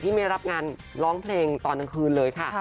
ไม่รับงานร้องเพลงตอนกลางคืนเลยค่ะ